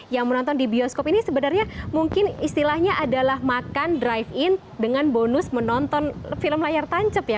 yang menonton di bioskop ini sebenarnya mungkin istilahnya adalah makan drive in dengan bonus menonton film layar tancep ya